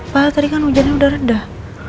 pahal tadi kan hujannya udah redah